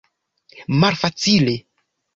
Malfacile.